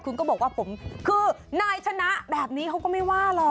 คุณก็บอกว่าผมคือนายชนะแบบนี้เขาก็ไม่ว่าหรอก